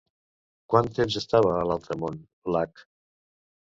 Quant temps estava a l'altre món l'Akh?